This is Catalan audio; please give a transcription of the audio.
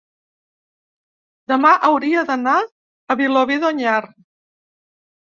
demà hauria d'anar a Vilobí d'Onyar.